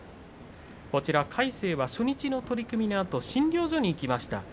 魁聖は初日の取組のあと診療所に行きました。